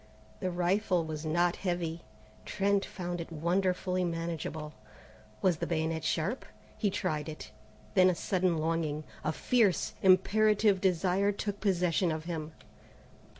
The rifle was not heavy. Trent found it wonderfully manageable. Was the bayonet sharp? He tried it. Then a sudden longing, a fierce, imperative desire took possession of him.